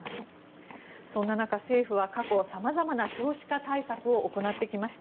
そんな中、政府は過去さまざまな少子化対策を行ってきました。